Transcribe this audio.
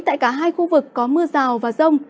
tại cả hai khu vực có mưa rào và rông